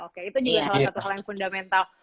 oke itu juga salah satu hal yang fundamental